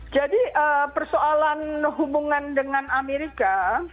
persoalan hubungan dengan amerika